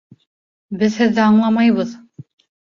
Беҙ һеҙҙе аңламайбыҙ.